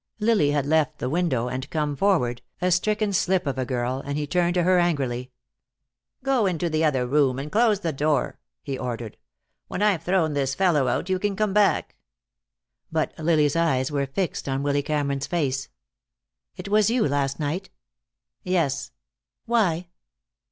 Lily had left the window and come forward, a stricken slip of a girl, and he turned to her angrily. "Go into the other room and close the door," he ordered. "When I've thrown this fellow out, you can come back." But Lily's eyes were fixed on Willy Cameron's face. "It was you last night?" "Yes." "Why?"